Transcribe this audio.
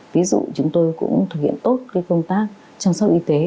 ví dụ chúng tôi cũng thực hiện tốt công tác chăm sóc y tế